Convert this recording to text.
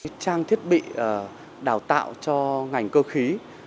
trang thiết bị đào tạo cho ngành cơ khí